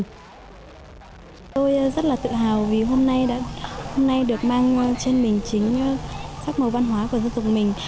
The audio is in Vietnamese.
tôi rất là tự hào vì hôm nay được mang trên mình chính sắc màu văn hóa của dân tộc mình